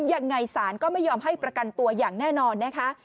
ยังไงศาลก็ไม่ยอมให้ประกันตัวอย่างแน่นอนนะคะ